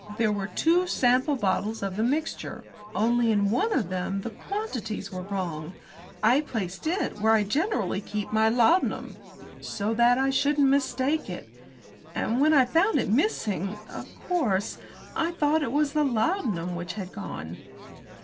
There were two sample bottles of the mixture, only in one of them the quantities were wrong. I placed it where I generally keep my laudanum so that I shouldn't mistake it. And when I found it missing, of course I thought it was the laudanum which had gone."